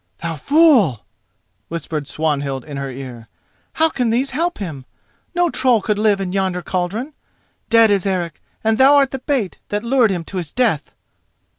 "Thou fool!" whispered Swanhild in her ear, "how can these help him? No troll could live in yonder cauldron. Dead is Eric, and thou art the bait that lured him to his death!"